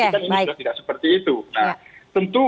tidak seperti itu nah tentu